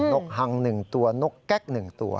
กหัง๑ตัวนกแก๊ก๑ตัว